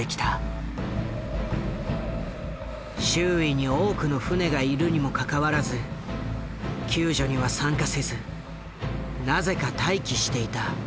周囲に多くの船がいるにもかかわらず救助には参加せずなぜか待機していた。